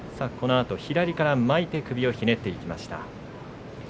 左から巻いて首をひねっていきました。